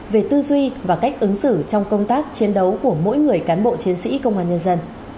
về tư duy và cách ứng xử trong công tác chiến đấu của mỗi người cán bộ chiến sĩ công an nhân dân